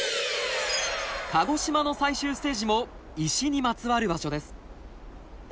鹿児島の最終ステージも石にまつわる場所です。